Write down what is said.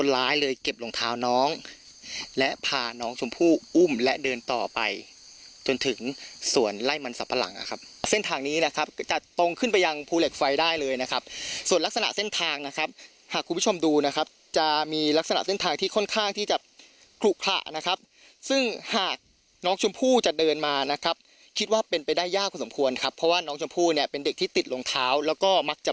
ไล่มันสับประหลังนะครับเส้นทางนี้นะครับจะตรงขึ้นไปยังภูเหล็กไฟได้เลยนะครับส่วนลักษณะเส้นทางนะครับหากคุณผู้ชมดูนะครับจะมีลักษณะเส้นทางที่ค่อนข้างที่จะคลุกคละนะครับซึ่งหากน้องชมพู่จะเดินมานะครับคิดว่าเป็นไปได้ยากกว่าสมควรครับเพราะว่าน้องชมพู่เนี้ยเป็นเด็กที่ติดลงเท้าแล้วก็มักจะ